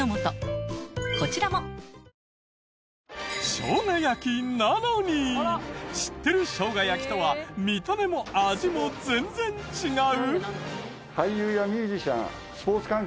生姜焼きなのに知ってる生姜焼きとは見た目も味も全然違う！？